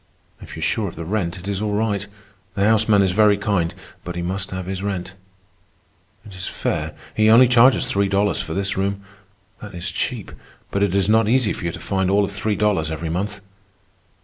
"If you are sure of the rent, it is all right. The houseman is very kind, but he must have his rent. It is fair. He only charges three dollars for this room. That is cheap. But it is not easy for you to find all of three dollars every month."